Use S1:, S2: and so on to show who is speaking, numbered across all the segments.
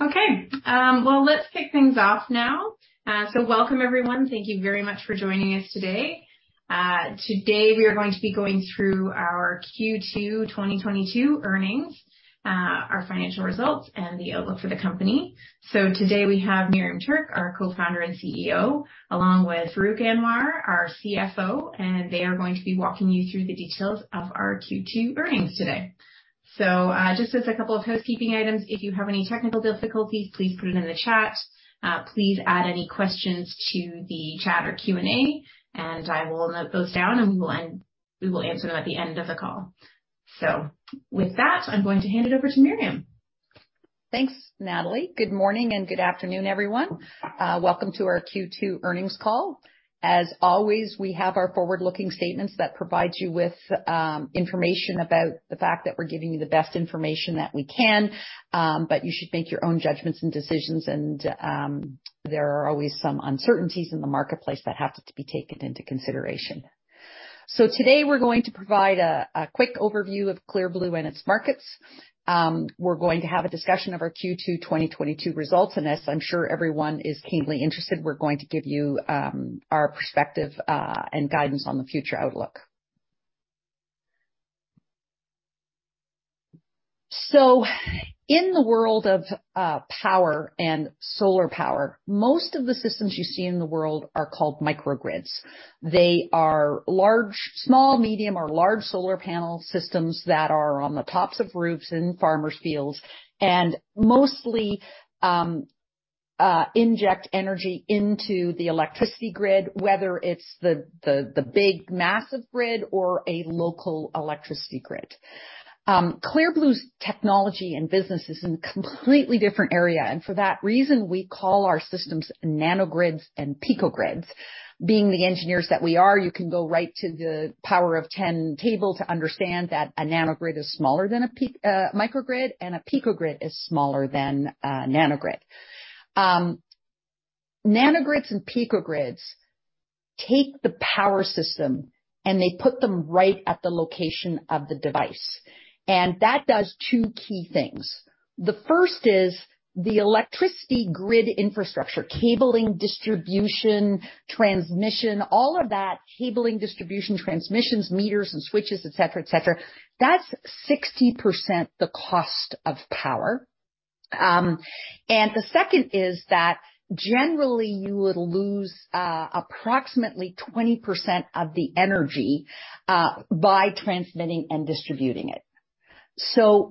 S1: Okay. Well, let's kick things off now. Welcome everyone. Thank you very much for joining us today. Today we are going to be going through our Q2 2022 earnings, our financial results, and the outlook for the company. Today we have Miriam Tuerk, our Co-Founder and CEO, along with Farrukh Anwar, our CFO, and they are going to be walking you through the details of our Q2 earnings today. Just as a couple of housekeeping items, if you have any technical difficulties, please put it in the chat. Please add any questions to the chat or Q&A, and I will note those down and we will answer them at the end of the call. With that, I'm going to hand it over to Miriam.
S2: Thanks, Natalie. Good morning and good afternoon, everyone. Welcome to our Q2 earnings call. As always, we have our forward-looking statements that provide you with information about the fact that we're giving you the best information that we can, but you should make your own judgments and decisions and there are always some uncertainties in the marketplace that have to be taken into consideration. Today we're going to provide a quick overview of Clear Blue and its markets. We're going to have a discussion of our Q2 2022 results, and as I'm sure everyone is keenly interested, we're going to give you our perspective and guidance on the future outlook. In the world of power and solar power, most of the systems you see in the world are called microgrids. They are large... Small, medium or large solar panel systems that are on the tops of roofs in farmers' fields and mostly inject energy into the electricity grid, whether it's the big massive grid or a local electricity grid. Clear Blue's technology and business is in completely different area, and for that reason, we call our systems nanogrids and picogrids. Being the engineers that we are, you can go right to the power of ten table to understand that a nanogrid is smaller than a microgrid, and a picogrid is smaller than a nanogrid. Nanogrids and picogrids take the power system, and they put them right at the location of the device. That does two key things. The first is the electricity grid infrastructure, cabling, distribution, transmission, all of that, meters and switches, et cetera. That's 60% the cost of power. The second is that generally, you would lose approximately 20% of the energy by transmitting and distributing it.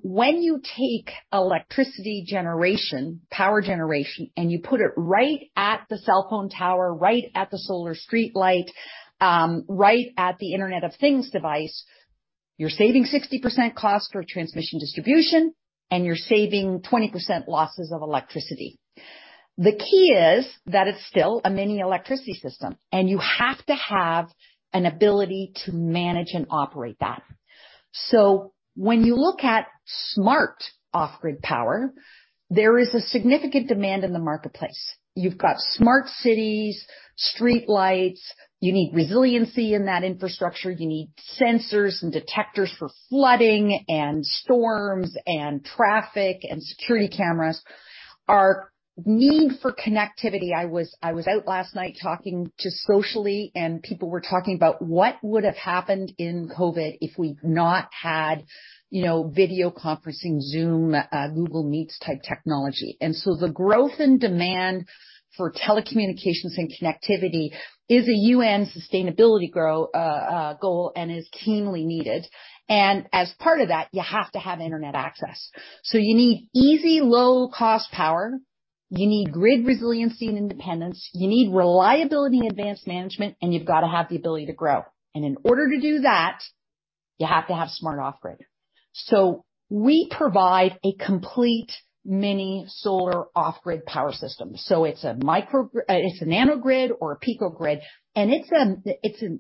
S2: When you take electricity generation, power generation, and you put it right at the cell phone tower, right at the solar streetlight, right at the Internet of Things device, you're saving 60% cost for transmission distribution, and you're saving 20% losses of electricity. The key is that it's still a mini electricity system, and you have to have an ability to manage and operate that. When you look at Smart Off-Grid power, there is a significant demand in the marketplace. You've got smart cities, streetlights. You need resiliency in that infrastructure. You need sensors and detectors for flooding and storms and traffic and security cameras. Our need for connectivity. I was out last night talking just socially, and people were talking about what would have happened in COVID if we've not had, you know, video conferencing, Zoom, Google Meet type technology. The growth and demand for telecommunications and connectivity is a UN sustainability goal and is keenly needed. As part of that, you have to have Internet access. You need easy, low-cost power, you need grid resiliency and independence, you need reliability, advanced management, and you've got to have the ability to grow. In order to do that, you have to have Smart Off-Grid. We provide a complete mini solar off-grid power system. It's a nanogrid or a picogrid, and it's an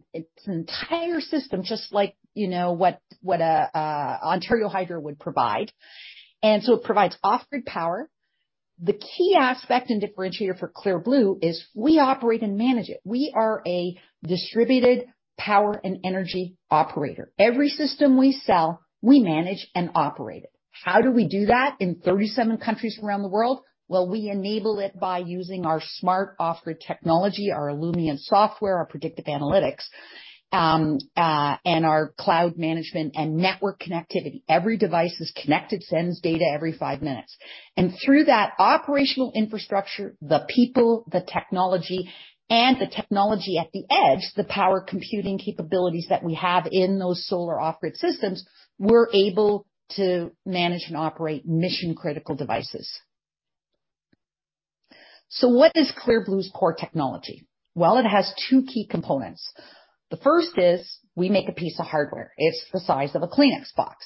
S2: entire system just like, you know, what a Ontario Hydro would provide. It provides off-grid power. The key aspect and differentiator for Clear Blue is we operate and manage it. We are a distributed power and energy operator. Every system we sell, we manage and operate it. How do we do that in 37 countries around the world? Well, we enable it by using our Smart Off-Grid technology, our Illumience software, our predictive analytics, and our cloud management and network connectivity. Every device is connected, sends data every five minutes. Through that operational infrastructure, the people, the technology, and the technology at the edge, the edge computing capabilities that we have in those solar off-grid systems, we're able to manage and operate mission-critical devices. What is Clear Blue's core technology? Well, it has two key components. The first is we make a piece of hardware. It's the size of a Kleenex box,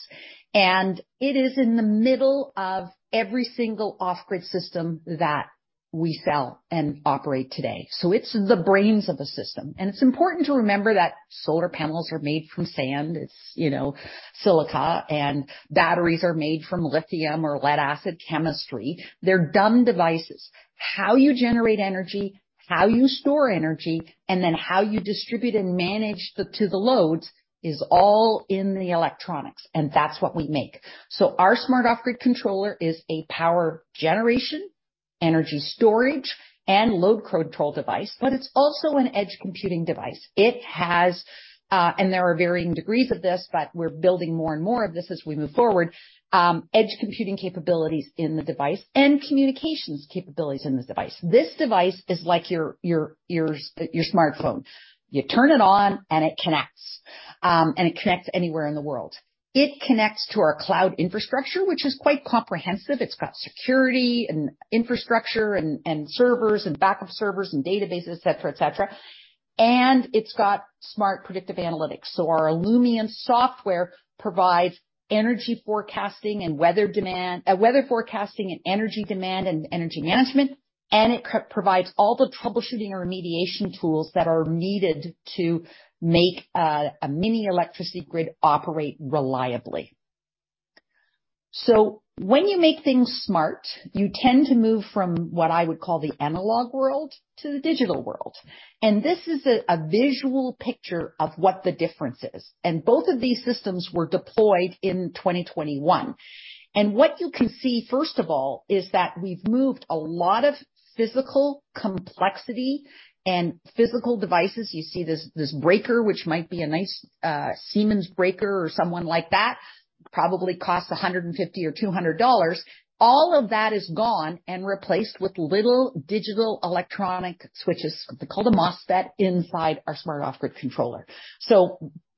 S2: and it is in the middle of every single off-grid system that we sell and operate today. It's the brains of the system. It's important to remember that solar panels are made from sand. It's, you know, silica, and batteries are made from lithium or lead acid chemistry. They're dumb devices. How you generate energy, how you store energy, and then how you distribute and manage the, to the loads is all in the electronics, and that's what we make. Our Smart Off-Grid Controller is a power generation, energy storage and load control device, but it's also an edge computing device. It has and there are varying degrees of this, but we're building more and more of this as we move forward, edge computing capabilities in the device and communications capabilities in this device. This device is like your smartphone. You turn it on and it connects anywhere in the world. It connects to our cloud infrastructure, which is quite comprehensive. It's got security and infrastructure and servers and backup servers and databases, et cetera. It's got smart predictive analytics. Our Illumience software provides energy forecasting and weather forecasting and energy demand and energy management, and it provides all the troubleshooting or remediation tools that are needed to make a mini electricity grid operate reliably. When you make things smart, you tend to move from what I would call the analog world to the digital world. This is a visual picture of what the difference is. Both of these systems were deployed in 2021. What you can see, first of all, is that we've moved a lot of physical complexity and physical devices. You see this breaker, which might be a nice Siemens breaker or someone like that, probably costs 150 or 200 dollars. All of that is gone and replaced with little digital electronic switches. They're called a MOSFET inside our Smart Off-Grid Controller.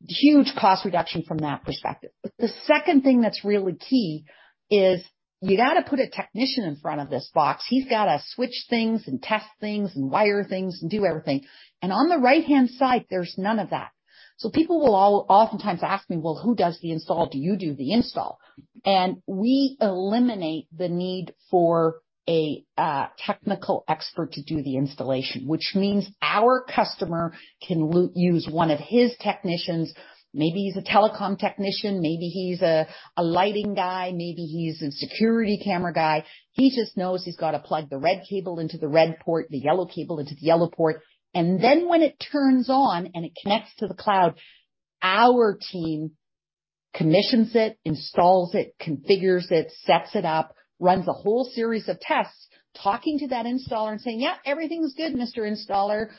S2: Huge cost reduction from that perspective. The second thing that's really key is you gotta put a technician in front of this box. He's gotta switch things and test things and wire things and do everything. On the right-hand side, there's none of that. People will all oftentimes ask me, "Well, who does the install? Do you do the install?" We eliminate the need for a technical expert to do the installation, which means our customer can use one of his technicians. Maybe he's a telecom technician, maybe he's a lighting guy, maybe he's a security camera guy. He just knows he's gotta plug the red cable into the red port, the yellow cable into the yellow port. Then when it turns on and it connects to the cloud, our team commissions it, installs it, configures it, sets it up, runs a whole series of tests, talking to that installer and saying, "Yeah, everything's good, Mr. Installer."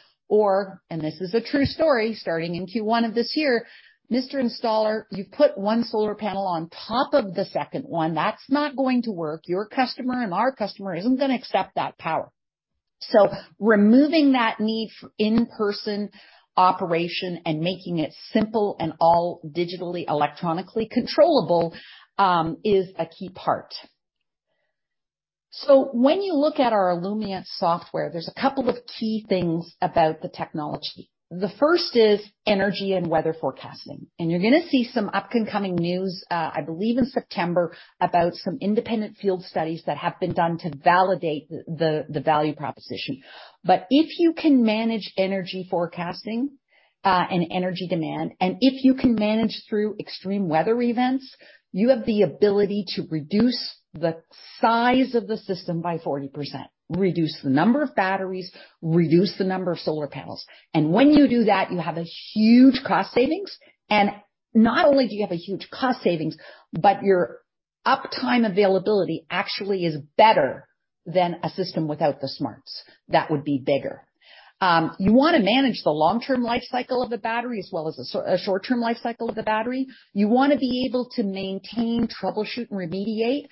S2: This is a true story, starting in Q1 of this year, "Mr. Installer, you've put one solar panel on top of the second one. That's not going to work. Your customer and our customer isn't gonna accept that power." Removing that need for in-person operation and making it simple and all digitally, electronically controllable is a key part. When you look at our Illumience software, there's a couple of key things about the technology. The first is energy and weather forecasting. You're gonna see some up and coming news, I believe in September, about some independent field studies that have been done to validate the value proposition. If you can manage energy forecasting and energy demand, and if you can manage through extreme weather events, you have the ability to reduce the size of the system by 40%, reduce the number of batteries, reduce the number of solar panels. When you do that, you have a huge cost savings. Not only do you have a huge cost savings, but your uptime availability actually is better than a system without the smarts that would be bigger. You wanna manage the long-term life cycle of a battery as well as a short-term life cycle of the battery. You wanna be able to maintain, troubleshoot, and remediate.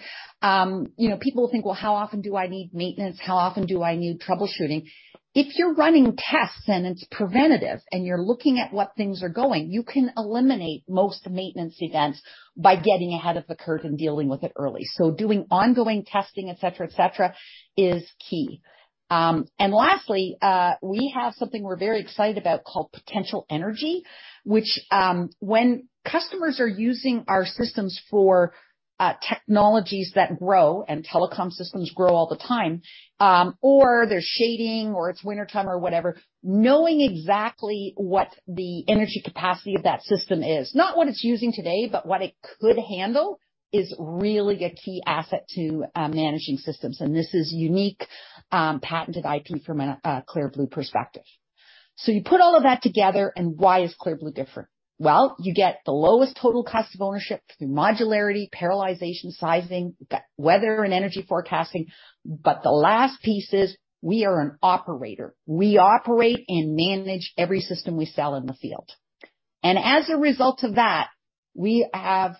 S2: You know, people think, "Well, how often do I need maintenance? How often do I need troubleshooting?" If you're running tests and it's preventative and you're looking at what things are going, you can eliminate most maintenance events by getting ahead of the curve and dealing with it early. Doing ongoing testing, et cetera, et cetera, is key. Lastly, we have something we're very excited about called potential energy, which, when customers are using our systems for technologies that grow and telecom systems grow all the time, or they're shading or it's wintertime or whatever, knowing exactly what the energy capacity of that system is, not what it's using today, but what it could handle, is really a key asset to managing systems. This is unique, patented IP from a Clear Blue perspective. You put all of that together and why is Clear Blue different? Well, you get the lowest total cost of ownership through modularity, parallelization, sizing, you've got weather and energy forecasting. The last piece is we are an operator. We operate and manage every system we sell in the field. As a result of that, we are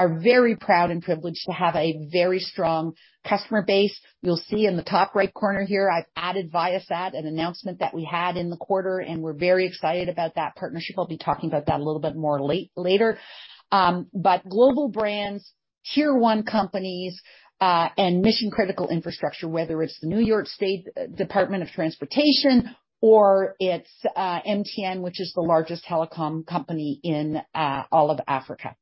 S2: very proud and privileged to have a very strong customer base. You'll see in the top right corner here, I've added Viasat, an announcement that we had in the quarter, and we're very excited about that partnership. I'll be talking about that a little bit more later. Global brands, Tier One companies, and mission-critical infrastructure, whether it's the New York State Department of Transportation or it's MTN, which is the largest telecom company in all of Africa.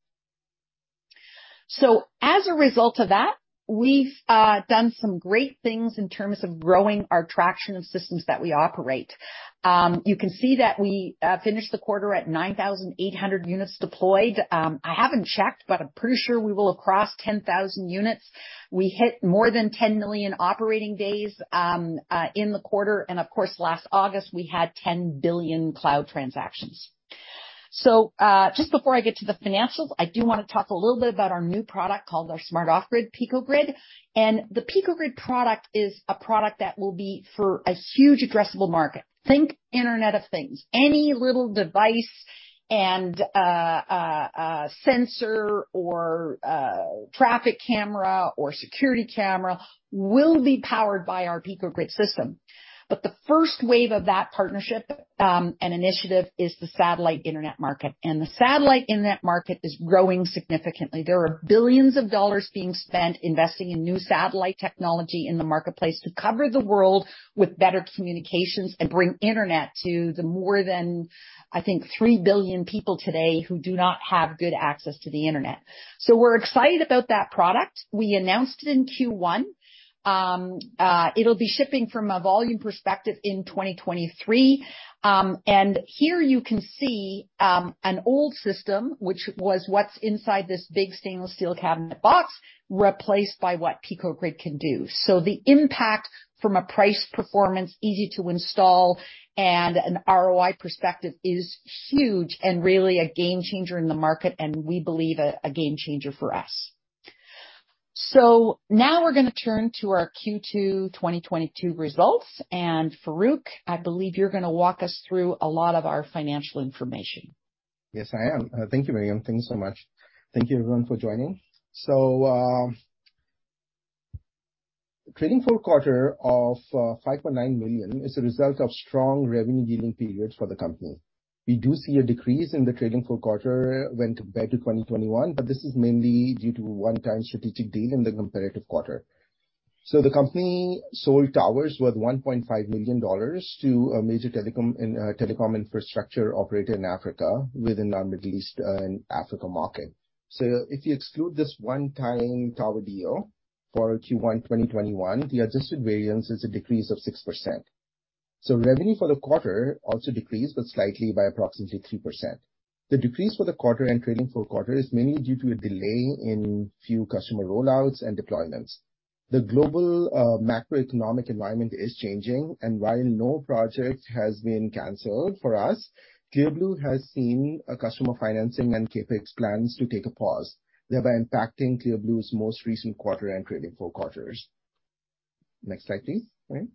S2: As a result of that, we've done some great things in terms of growing our traction of systems that we operate. You can see that we finished the quarter at 9,800 units deployed. I haven't checked, but I'm pretty sure we will have crossed 10,000 units. We hit more than 10 million operating days in the quarter, and of course, last August, we had 10 billion cloud transactions. Just before I get to the financials, I do wanna talk a little bit about our new product called our Smart Off-Grid PicoGrid. The PicoGrid product is a product that will be for a huge addressable market. Think Internet of Things. Any little device and a sensor or traffic camera or security camera will be powered by our PicoGrid system. The first wave of that partnership and initiative is the satellite internet market. The satellite internet market is growing significantly. There are $ billions being spent investing in new satellite technology in the marketplace to cover the world with better communications and bring internet to the more than, I think, three billion people today who do not have good access to the internet. We're excited about that product. We announced it in Q1. It'll be shipping from a volume perspective in 2023. Here you can see an old system, which was what's inside this big stainless steel cabinet box, replaced by what Pico-Grid can do. The impact from a price, performance, easy to install, and an ROI perspective is huge and really a game changer in the market, and we believe a game changer for us. Now we're gonna turn to our Q2 2022 results. Farrukh, I believe you're gonna walk us through a lot of our financial information.
S3: Yes, I am. Thank you, Miriam. Thank you so much. Thank you everyone for joining. Trailing four quarter of 5.9 million is a result of strong revenue during periods for the company. We do see a decrease in the trailing four quarter when compared to 2021, but this is mainly due to a one-time strategic deal in the comparative quarter. The company sold towers worth $1.5 million to a major telecom infrastructure operator in Africa within our Middle East and Africa market. If you exclude this one-time tower deal for Q1 2021, the adjusted variance is a decrease of 6%. Revenue for the quarter also decreased, but slightly by approximately 3%. The decrease for the quarter and trailing four quarter is mainly due to a delay in few customer rollouts and deployments. The global macroeconomic environment is changing, and while no project has been canceled for us, Clear Blue has seen a customer financing and CapEx plans to take a pause, thereby impacting Clear Blue's most recent quarter and trailing four quarters. Next slide, please. All right.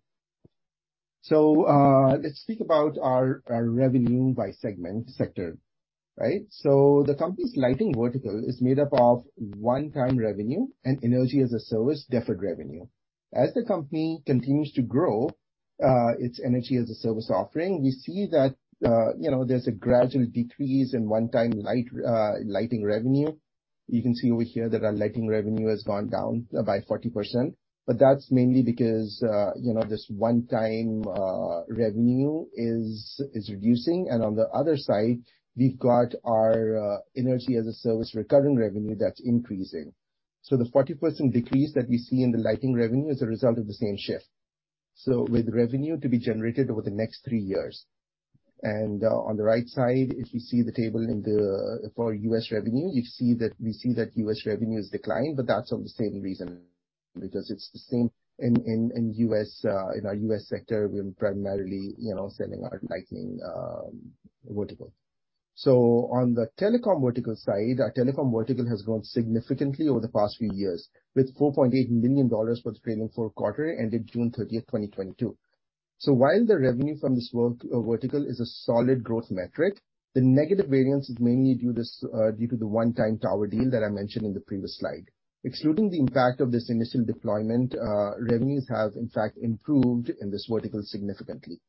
S3: Let's speak about our revenue by segment sector, right? The company's lighting vertical is made up of one-time revenue and energy as a service deferred revenue. As the company continues to grow its energy as a service offering, we see that you know, there's a gradual decrease in one-time lighting revenue. You can see over here that our lighting revenue has gone down by 40%, but that's mainly because, you know, this one-time revenue is reducing. On the other side, we've got our energy as a service recurring revenue that's increasing. The 40% decrease that we see in the lighting revenue is a result of the same shift. With revenue to be generated over the next three years. On the right side, if you see the table. For U.S. revenue, you see that U.S. revenue is declining, but that's for the same reason, because it's the same in U.S., in our U.S. sector, we are primarily, you know, selling our lighting vertical. On the telecom vertical side, our telecom vertical has grown significantly over the past few years with 4.8 million dollars for the trailing four quarter ended June thirtieth twenty twenty-two. While the revenue from this vertical is a solid growth metric, the negative variance is mainly due to the one-time tower deal that I mentioned in the previous slide. Excluding the impact of this initial deployment, revenues have in fact improved in this vertical significantly.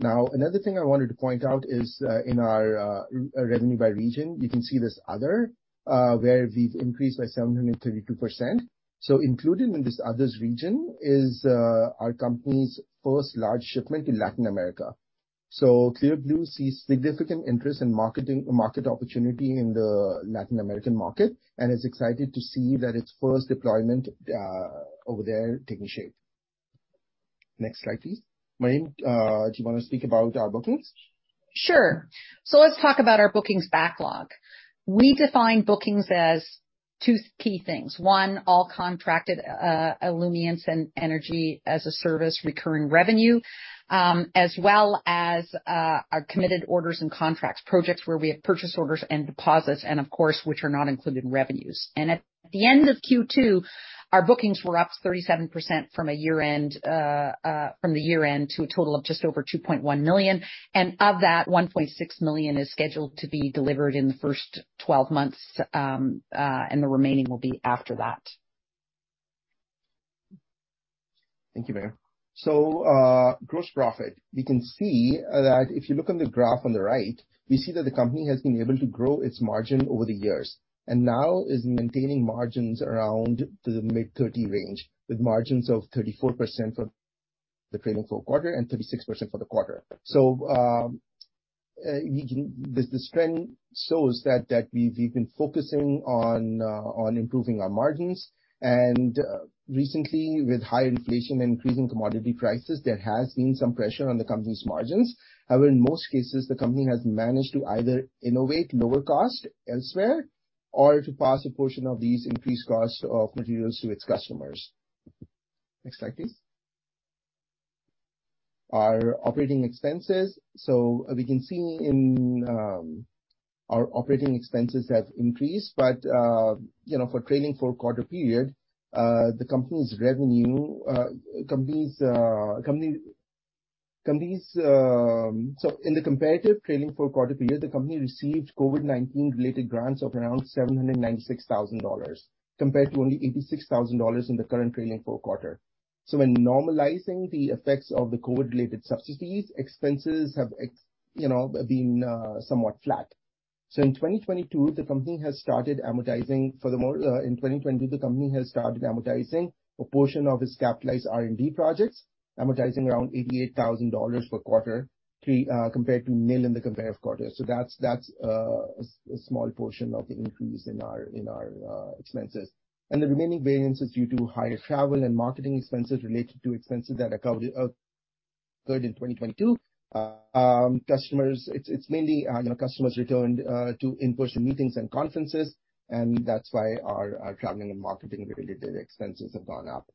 S3: Now, another thing I wanted to point out is, in our revenue by region, you can see this other where we've increased by 732%. Included in this others region is our company's first large shipment in Latin America. Clear Blue sees significant interest in market opportunity in the Latin American market and is excited to see that its first deployment over there taking shape. Next slide, please. Miriam, do you wanna speak about our bookings?
S2: Sure. Let's talk about our bookings backlog. We define bookings as two key things, one, all contracted, Illumience and Energy-as-a-Service recurring revenue, as well as, our committed orders and contracts, projects where we have purchase orders and deposits and of course, which are not included in revenues. At the end of Q2, our bookings were up 37% from year end to a total of just over 2.1 million. Of that, 1.6 million is scheduled to be delivered in the first 12 months, and the remaining will be after that.
S3: Thank you, Miriam. Gross profit. You can see that if you look on the graph on the right, we see that the company has been able to grow its margin over the years, and now is maintaining margins around the mid-30 range, with margins of 34% for the trailing four quarters and 36% for the quarter. This trend shows that we've been focusing on improving our margins, and recently with high inflation and increasing commodity prices, there has been some pressure on the company's margins. However, in most cases, the company has managed to either innovate lower cost elsewhere or to pass a portion of these increased costs of materials to its customers. Next slide, please. Our operating expenses. We can see in our operating expenses have increased, but you know, for trailing four quarter period. In the comparative trailing four quarter period, the company received COVID-19 related grants of around 796 thousand dollars, compared to only 86 thousand dollars in the current trailing four quarter. When normalizing the effects of the COVID related subsidies, expenses have you know, been somewhat flat. In 2022, the company has started amortizing a portion of its capitalized R&D projects, amortizing around 88 thousand dollars per quarter compared to nil in the comparative quarter. That's a small portion of the increase in our expenses. The remaining variance is due to higher travel and marketing expenses related to expenses that occurred in 2022. It's mainly, you know, customers returned to in-person meetings and conferences, and that's why our traveling and marketing related expenses have gone up.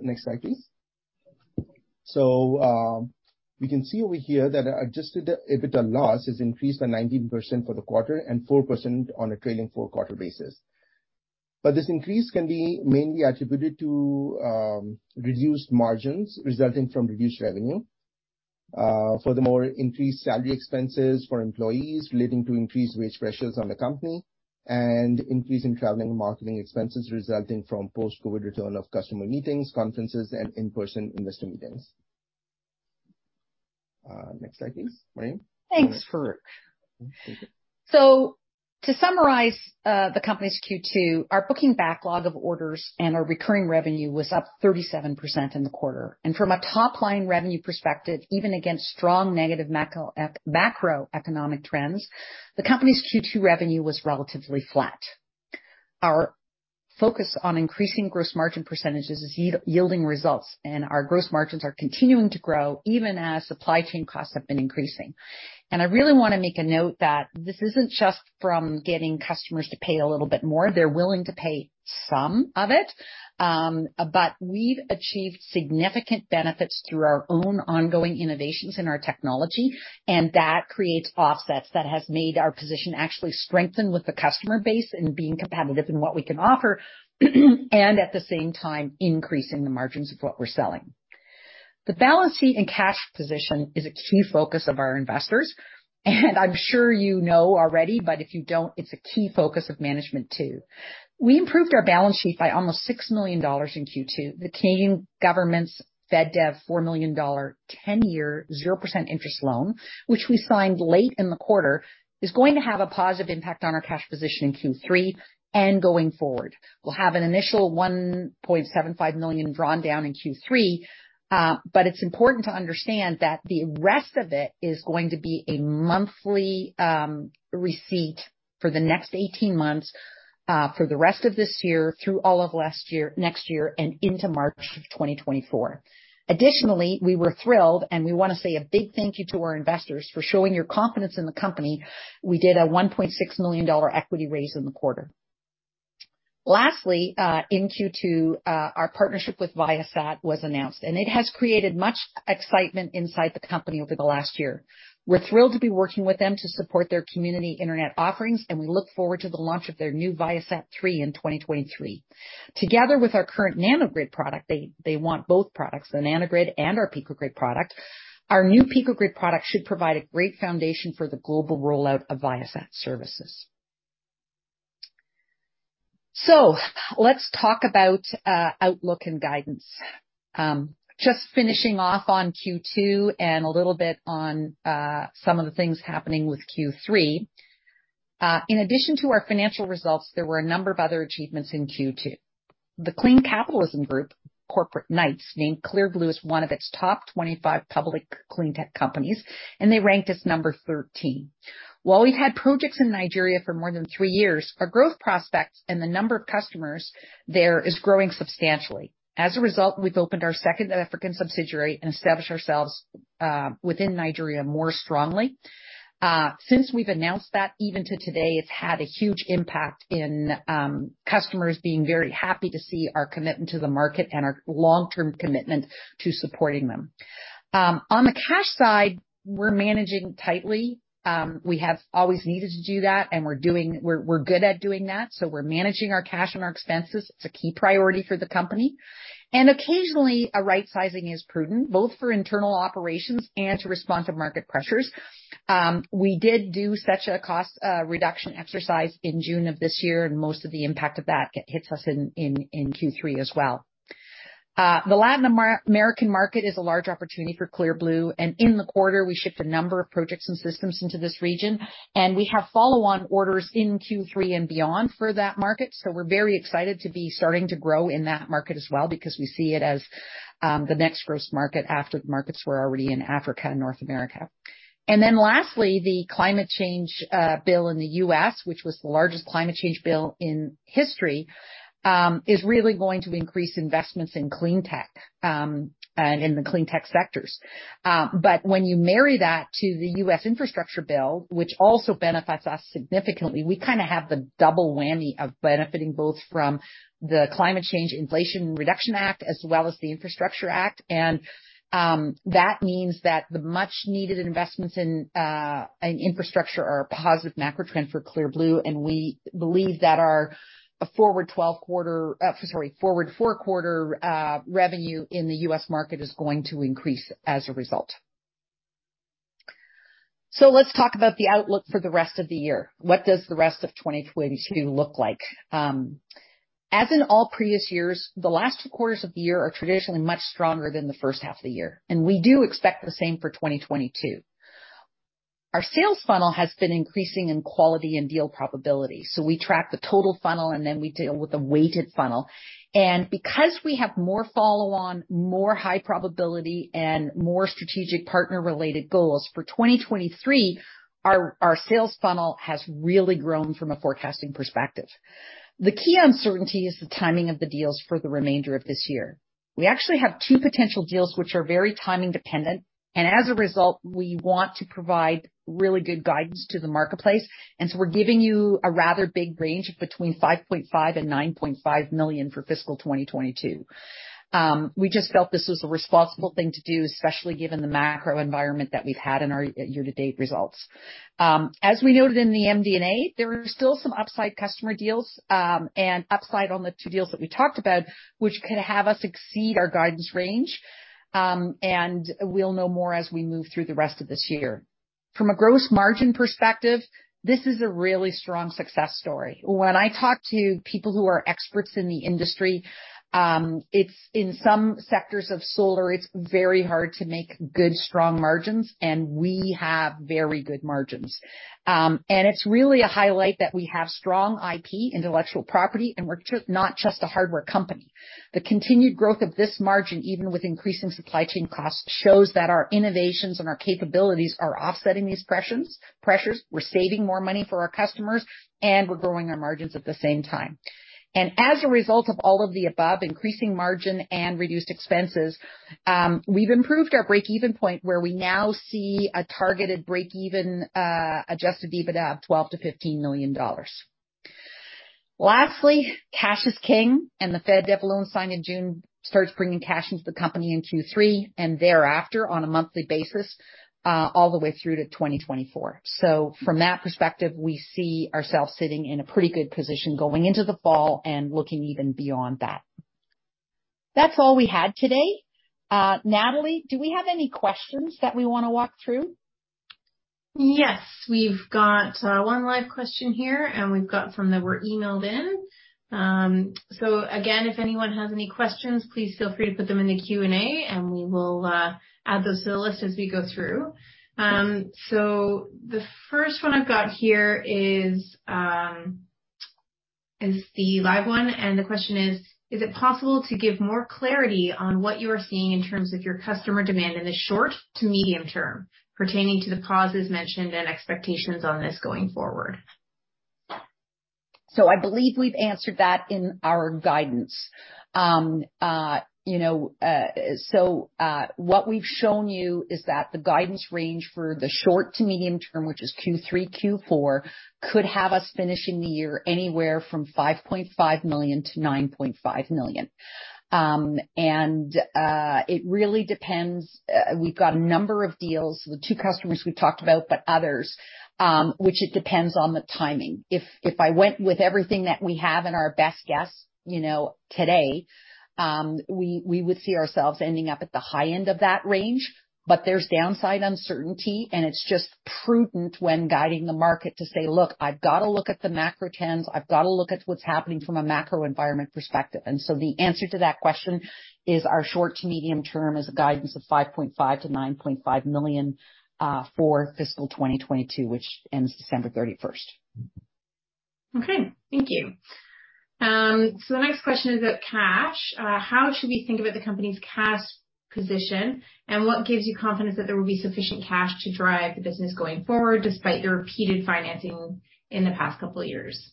S3: Next slide, please. We can see over here that adjusted EBITDA loss has increased by 19% for the quarter and 4% on a trailing four quarter basis. This increase can be mainly attributed to reduced margins resulting from reduced revenue, furthermore, increased salary expenses for employees relating to increased wage pressures on the company, and increase in traveling and marketing expenses resulting from post-COVID return of customer meetings, conferences, and in-person investor meetings. Next slide, please. Miriam.
S2: Thanks, Farrukh. To summarize, the company's Q2, our booking backlog of orders and our recurring revenue was up 37% in the quarter. From a top-line revenue perspective, even against strong negative macro, macroeconomic trends, the company's Q2 revenue was relatively flat. Our focus on increasing gross margin percentages is yielding results, and our gross margins are continuing to grow even as supply chain costs have been increasing. I really wanna make a note that this isn't just from getting customers to pay a little bit more. They're willing to pay some of it, but we've achieved significant benefits through our own ongoing innovations in our technology, and that creates offsets that has made our position actually strengthen with the customer base in being competitive in what we can offer, and at the same time, increasing the margins of what we're selling. The balance sheet and cash position is a key focus of our investors. I'm sure you know already, but if you don't, it's a key focus of management too. We improved our balance sheet by almost 6 million dollars in Q2. The Canadian government's FedDev 4 million dollar 10-year 0% interest loan, which we signed late in the quarter, is going to have a positive impact on our cash position in Q3 and going forward. We'll have an initial 1.75 million drawn down in Q3, but it's important to understand that the rest of it is going to be a monthly receipt for the next 18 months, for the rest of this year through all of last year, next year, and into March of 2024. Additionally, we were thrilled, and we wanna say a big thank you to our investors for showing your confidence in the company. We did a 1.6 million dollar equity raise in the quarter. Lastly, in Q2, our partnership with Viasat was announced, and it has created much excitement inside the company over the last year. We're thrilled to be working with them to support their community internet offerings, and we look forward to the launch of their new ViaSat-3 in 2023. Together with our current Nano-Grid product, they want both products, the Nano-Grid and our Pico-Grid product. Our new Pico-Grid product should provide a great foundation for the global rollout of Viasat services. Let's talk about outlook and guidance. Just finishing off on Q2 and a little bit on some of the things happening with Q3. In addition to our financial results, there were a number of other achievements in Q2. The Clean Capitalism Group, Corporate Knights, named Clear Blue as one of its top 25 public clean tech companies, and they ranked us number 13. While we've had projects in Nigeria for more than three years, our growth prospects and the number of customers there is growing substantially. As a result, we've opened our second African subsidiary and established ourselves within Nigeria more strongly. Since we've announced that, even to date, it's had a huge impact in customers being very happy to see our commitment to the market and our long-term commitment to supporting them. On the cash side, we're managing tightly. We have always needed to do that, and we're good at doing that, so we're managing our cash and our expenses. It's a key priority for the company. Occasionally, a right sizing is prudent, both for internal operations and to respond to market pressures. We did do such a cost reduction exercise in June of this year, and most of the impact of that hits us in Q3 as well. The Latin American market is a large opportunity for Clear Blue, and in the quarter, we shipped a number of projects and systems into this region, and we have follow-on orders in Q3 and beyond for that market. We're very excited to be starting to grow in that market as well because we see it as the next growth market after the markets we're already in Africa and North America. Then lastly, the climate change bill in the U.S., which was the largest climate change bill in history, is really going to increase investments in clean tech, and in the clean tech sectors. When you marry that to the U.S. infrastructure bill, which also benefits us significantly, we kinda have the double whammy of benefiting both from the Inflation Reduction Act as well as the Infrastructure Investment and Jobs Act. That means that the much needed investments in infrastructure are a positive macro trend for Clear Blue, and we believe that our forward four-quarter revenue in the U.S. market is going to increase as a result. Let's talk about the outlook for the rest of the year. What does the rest of 2022 look like? As in all previous years, the last two quarters of the year are traditionally much stronger than the first half of the year, and we do expect the same for 2022. Our sales funnel has been increasing in quality and deal probability, so we track the total funnel, and then we deal with the weighted funnel. Because we have more follow-on, more high probability, and more strategic partner-related goals for 2023, our sales funnel has really grown from a forecasting perspective. The key uncertainty is the timing of the deals for the remainder of this year. We actually have two potential deals which are very timing-dependent, and as a result, we want to provide really good guidance to the marketplace, and so we're giving you a rather big range of between 5.5 million and 9.5 million for fiscal 2022. We just felt this was a responsible thing to do, especially given the macro environment that we've had in our year to date results. As we noted in the MD&A, there are still some upside customer deals, and upside on the two deals that we talked about, which could have us exceed our guidance range, and we'll know more as we move through the rest of this year. From a gross margin perspective, this is a really strong success story. When I talk to people who are experts in the industry, it's in some sectors of solar, it's very hard to make good, strong margins, and we have very good margins. It's really a highlight that we have strong IP, intellectual property, and we're not just a hardware company. The continued growth of this margin, even with increasing supply chain costs, shows that our innovations and our capabilities are offsetting these pressures. We're saving more money for our customers, and we're growing our margins at the same time. As a result of all of the above, increasing margin and reduced expenses, we've improved our break-even point, where we now see a targeted break-even adjusted EBITDA of 12-15 million dollars. Lastly, cash is king, and the FedDev loan signed in June starts bringing cash into the company in Q3, and thereafter on a monthly basis, all the way through to 2024. From that perspective, we see ourselves sitting in a pretty good position going into the fall and looking even beyond that. That's all we had today. Natalie, do we have any questions that we wanna walk through?
S1: Yes. We've got one live question here, and we've got some that were emailed in. So again, if anyone has any questions, please feel free to put them in the Q&A, and we will add those to the list as we go through. So the first one I've got here is the live one, and the question is: Is it possible to give more clarity on what you are seeing in terms of your customer demand in the short to medium term pertaining to the causes mentioned and expectations on this going forward?
S2: I believe we've answered that in our guidance. What we've shown you is that the guidance range for the short to medium term, which is Q3, Q4, could have us finishing the year anywhere from 5.5 million-9.5 million. It really depends. We've got a number of deals with two customers we've talked about, but others, which it depends on the timing. If I went with everything that we have in our best guess today, we would see ourselves ending up at the high end of that range. There's downside uncertainty, and it's just prudent when guiding the market to say, "Look, I've got to look at the macro trends. I've got to look at what's happening from a macro environment perspective. The answer to that question is our short to medium term is a guidance of 5.5 million-9.5 million for fiscal 2022, which ends December 31.
S1: Okay. Thank you. The next question is about cash. How should we think about the company's cash position, and what gives you confidence that there will be sufficient cash to drive the business going forward despite your repeated financing in the past couple of years?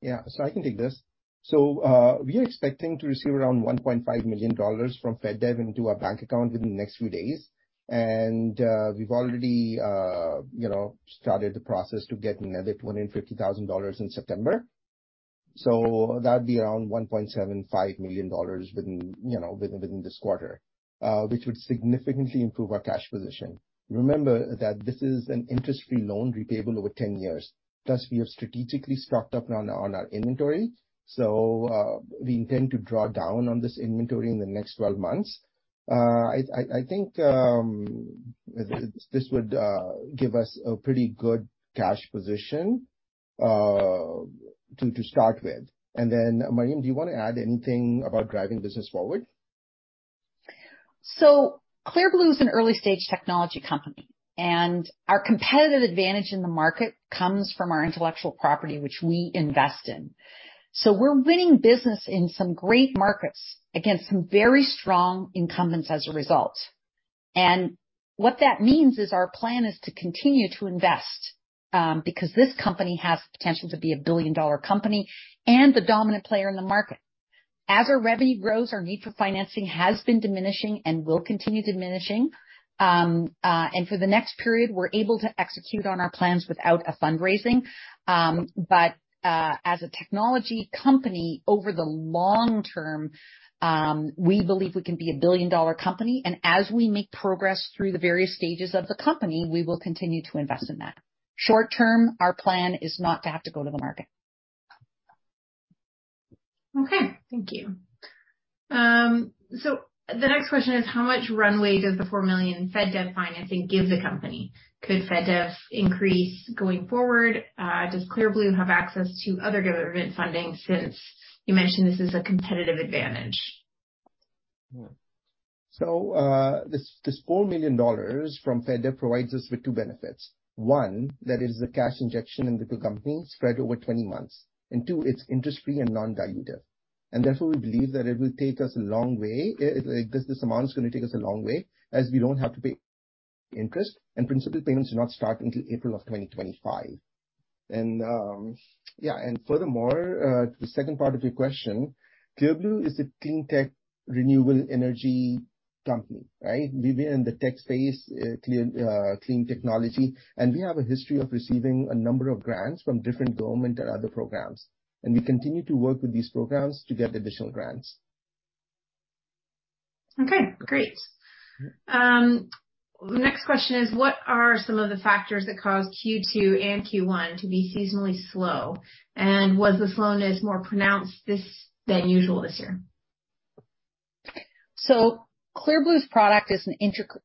S3: Yeah. I can take this. We are expecting to receive around 1.5 million dollars from FedDev Ontario into our bank account within the next few days. We've already, you know, started the process to get another 250,000 dollars in September. That'd be around 1.75 million dollars within, you know, within this quarter, which would significantly improve our cash position. Remember that this is an interest-free loan repayable over 10 years, plus we have strategically stocked up on our inventory. We intend to draw down on this inventory in the next 12 months. I think this would give us a pretty good cash position to start with. Miriam, do you want to add anything about driving the business forward?
S2: Clear Blue is an early-stage technology company, and our competitive advantage in the market comes from our intellectual property, which we invest in. We're winning business in some great markets against some very strong incumbents as a result. What that means is our plan is to continue to invest, because this company has the potential to be a billion-dollar company and the dominant player in the market. As our revenue grows, our need for financing has been diminishing and will continue diminishing. For the next period, we're able to execute on our plans without a fundraising. As a technology company over the long term, we believe we can be a billion-dollar company, and as we make progress through the various stages of the company, we will continue to invest in that. Short term, our plan is not to have to go to the market.
S1: Okay. Thank you. The next question is, how much runway does the 4 million FedDev financing give the company? Could FedDev increase going forward? Does Clear Blue have access to other government funding since you mentioned this is a competitive advantage?
S3: This four million dollars from FedDev provides us with two benefits. One, that it is a cash injection into the company spread over 20 months. Two, it's interest-free and non-dilutive, and therefore we believe that it will take us a long way. This amount is gonna take us a long way, as we don't have to pay interest, and principal payments do not start until April of 2025. Furthermore, to the second part of your question, Clear Blue is a clean tech renewable energy company, right? We're in the tech space, clean technology, and we have a history of receiving a number of grants from different government and other programs, and we continue to work with these programs to get additional grants.
S1: Okay, great. Next question is, what are some of the factors that caused Q2 and Q1 to be seasonally slow? Was the slowness more pronounced this year than usual?
S2: Clear Blue's product is an integral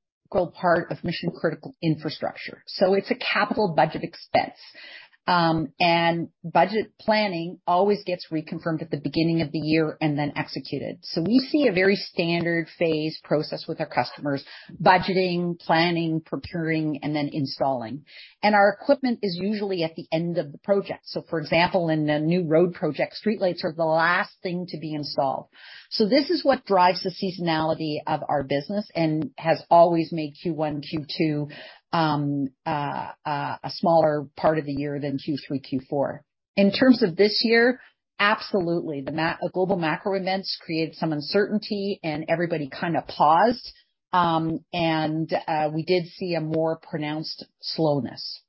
S2: part of mission-critical infrastructure, so it's a capital budget expense. Budget planning always gets reconfirmed at the beginning of the year and then executed. We see a very standard phased process with our customers. Budgeting, planning, procuring, and then installing. Our equipment is usually at the end of the project. For example, in a new road project, streetlights are the last thing to be installed. This is what drives the seasonality of our business and has always made Q1, Q2, a smaller part of the year than Q3, Q4. In terms of this year, absolutely. Global macro events created some uncertainty and everybody kinda paused. We did see a more pronounced slowness.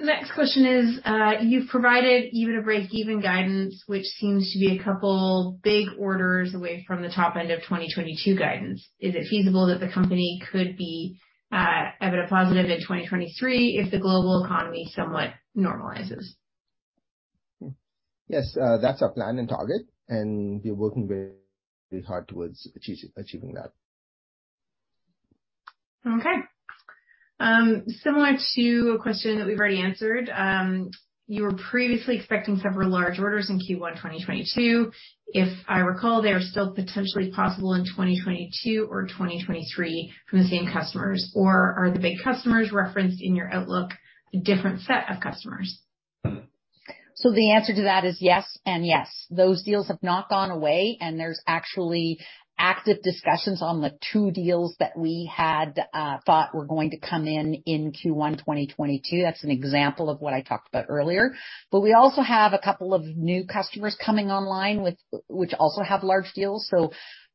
S1: Next question is, you've provided EBITDA breakeven guidance, which seems to be a couple big orders away from the top end of 2022 guidance. Is it feasible that the company could be EBITDA positive in 2023 if the global economy somewhat normalizes?
S3: Yes. That's our plan and target, and we're working very hard towards achieving that.
S1: Okay. Similar to a question that we've already answered. You were previously expecting several large orders in Q1 2022. If I recall, they are still potentially possible in 2022 or 2023 from the same customers. Are the big customers referenced in your outlook a different set of customers?
S2: The answer to that is yes and yes. Those deals have not gone away. There's actually active discussions on the two deals that we had thought were going to come in in Q1 2022. That's an example of what I talked about earlier. We also have a couple of new customers coming online with which also have large deals.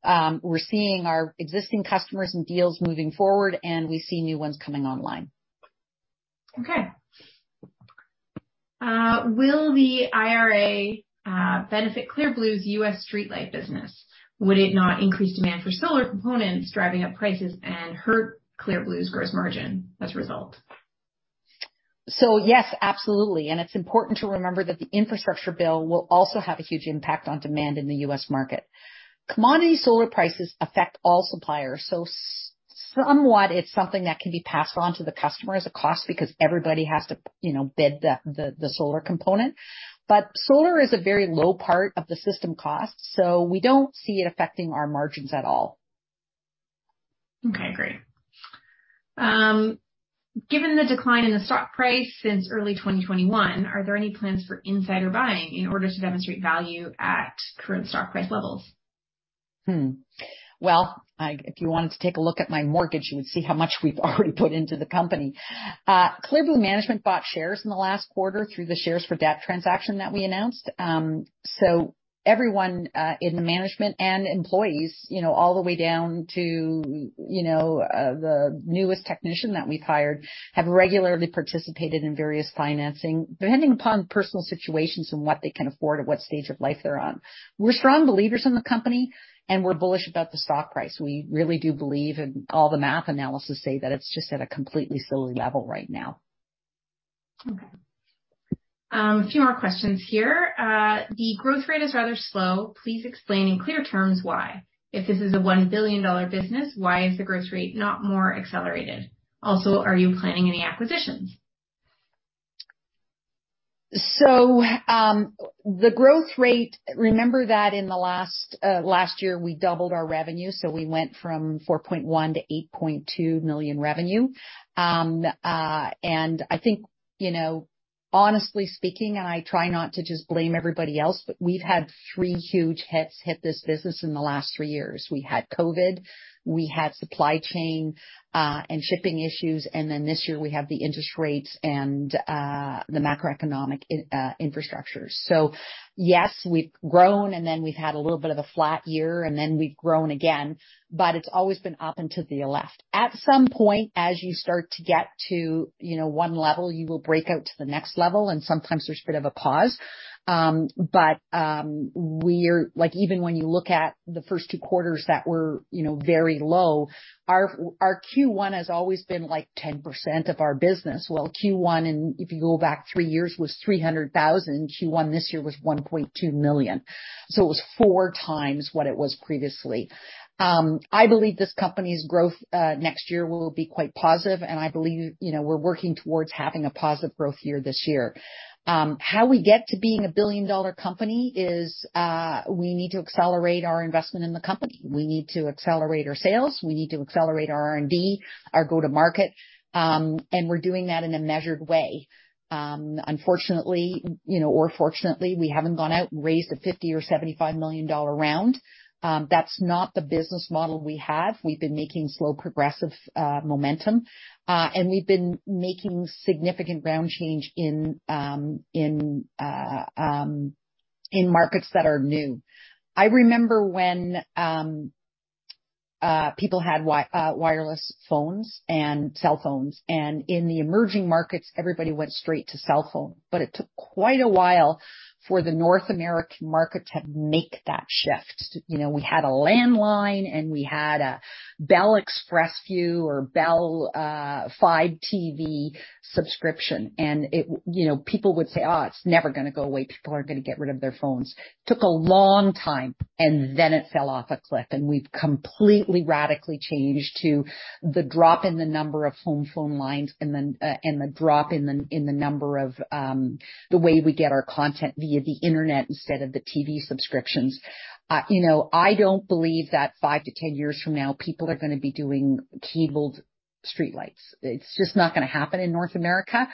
S2: We're seeing our existing customers and deals moving forward, and we see new ones coming online.
S1: Will the IRA benefit Clear Blue's U.S. streetlight business? Would it not increase demand for solar components, driving up prices and hurt Clear Blue's gross margin as a result?
S2: Yes, absolutely, and it's important to remember that the infrastructure bill will also have a huge impact on demand in the U.S. market. Commodity solar prices affect all suppliers, so somewhat it's something that can be passed on to the customer as a cost because everybody has to, you know, bid the solar component. Solar is a very low part of the system cost, so we don't see it affecting our margins at all.
S1: Okay, great. Given the decline in the stock price since early 2021, are there any plans for insider buying in order to demonstrate value at current stock price levels?
S2: Well, if you wanted to take a look at my mortgage, you would see how much we've already put into the company. Clear Blue management bought shares in the last quarter through the shares for debt transaction that we announced. Everyone in the management and employees, you know, all the way down to, you know, the newest technician that we've hired, have regularly participated in various financing, depending upon personal situations and what they can afford or what stage of life they're on. We're strong believers in the company, and we're bullish about the stock price. We really do believe, and all the MD&A say that it's just at a completely silly level right now.
S1: Okay. A few more questions here. The growth rate is rather slow. Please explain in clear terms why. If this is a 1 billion-dollar business, why is the growth rate not more accelerated? Also, are you planning any acquisitions?
S2: The growth rate. Remember that in the last year, we doubled our revenue, so we went from 4.1 million to 8.2 million revenue. I think, you know, honestly speaking, I try not to just blame everybody else, but we've had three huge hits to this business in the last three years. We had COVID, we had supply chain and shipping issues, and then this year we have the interest rates and the macroeconomic and infrastructure. Yes, we've grown, and then we've had a little bit of a flat year, and then we've grown again. But it's always been up and to the right. At some point, as you start to get to, you know, one level, you will break out to the next level, and sometimes there's a bit of a pause. Like, even when you look at the first two quarters that were, you know, very low, our Q1 has always been like 10% of our business. Well, Q1, and if you go back three years, was 300,000. Q1 this year was 1.2 million, so it was 4x what it was previously. I believe this company's growth next year will be quite positive, and I believe, you know, we're working towards having a positive growth year this year. How we get to being a billion-dollar company is, we need to accelerate our investment in the company. We need to accelerate our sales. We need to accelerate our R&D, our go-to market, and we're doing that in a measured way. Unfortunately, you know, or fortunately, we haven't gone out and raised a $50 or $75 million-dollar round. That's not the business model we have. We've been making slow, progressive momentum, and we've been making significant ground change in markets that are new. I remember when people had wireless phones and cell phones, and in the emerging markets, everybody went straight to cell phone. It took quite a while for the North American market to make that shift. You know, we had a landline, and we had a Bell ExpressVu or Bell Fibe TV subscription. You know, people would say, "Oh, it's never gonna go away. People aren't gonna get rid of their phones." Took a long time, and then it fell off a cliff, and we've completely radically changed to the drop in the number of home phone lines and then the way we get our content via the internet instead of the TV subscriptions. You know, I don't believe that five-10 years from now, people are gonna be doing cabled streetlights. It's just not gonna happen in North America.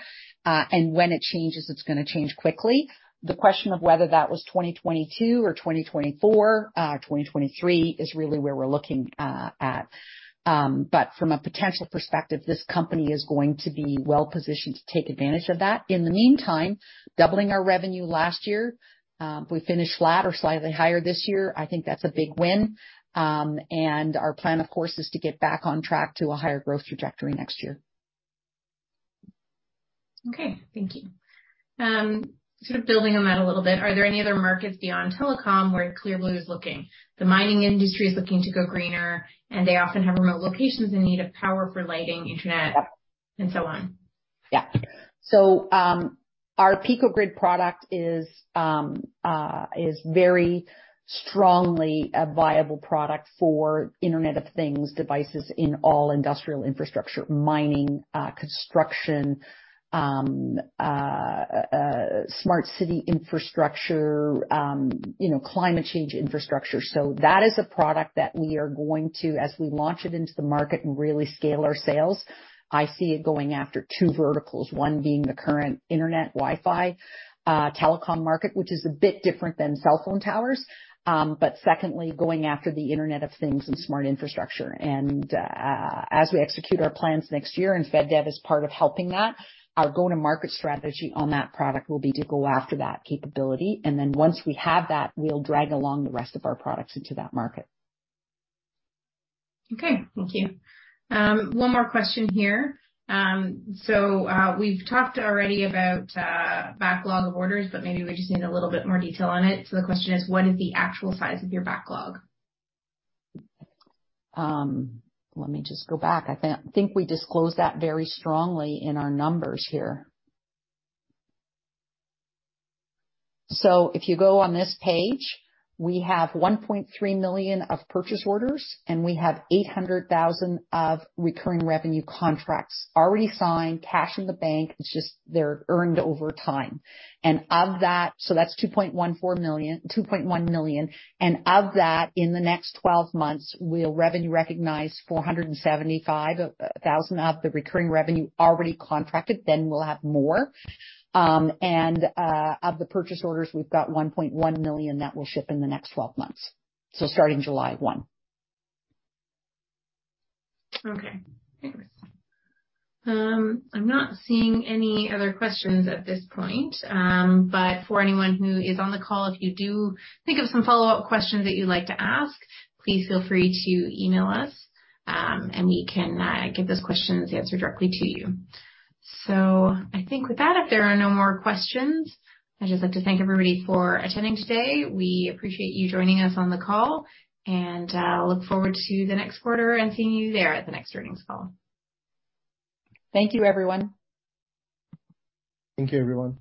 S2: When it changes, it's gonna change quickly. The question of whether that was 2022 or 2024, 2023 is really where we're looking at. From a potential perspective, this company is going to be well-positioned to take advantage of that. In the meantime, doubling our revenue last year, we finished flat or slightly higher this year. I think that's a big win. Our plan, of course, is to get back on track to a higher growth trajectory next year.
S1: Okay. Thank you. Sort of building on that a little bit, are there any other markets beyond telecom where Clear Blue is looking? The mining industry is looking to go greener, and they often have remote locations in need of power for lighting, internet.
S2: Yeah.
S1: On.
S2: Yeah. Our PicoGrid product is very strongly a viable product for Internet of Things devices in all industrial infrastructure, mining, construction, smart city infrastructure, you know, climate change infrastructure. That is a product that we are going to, as we launch it into the market and really scale our sales, I see it going after two verticals, one being the current internet, Wi-Fi, telecom market, which is a bit different than cell phone towers. But secondly, going after the Internet of Things and smart infrastructure. As we execute our plans next year, and FedDev is part of helping that, our go-to-market strategy on that product will be to go after that capability. Then once we have that, we'll drag along the rest of our products into that market.
S1: Okay. Thank you. One more question here. We've talked already about backlog of orders, but maybe we just need a little bit more detail on it. The question is. What is the actual size of your backlog?
S2: Let me just go back. I think we disclosed that very strongly in our numbers here. If you go on this page, we have 1.3 million of purchase orders, and we have 800 thousand of recurring revenue contracts already signed, cash in the bank. It's just they're earned over time. Of that's 2.1 million. Of that, in the next twelve months, we'll revenue recognize 475 thousand of the recurring revenue already contracted, then we'll have more. Of the purchase orders, we've got 1.1 million that will ship in the next twelve months, starting July 1.
S1: Okay. Thanks. I'm not seeing any other questions at this point. For anyone who is on the call, if you do think of some follow-up questions that you'd like to ask, please feel free to email us, and we can get those questions answered directly to you. I think with that, if there are no more questions, I'd just like to thank everybody for attending today. We appreciate you joining us on the call, and I'll look forward to the next quarter and seeing you there at the next earnings call.
S2: Thank you, everyone.
S3: Thank you, everyone.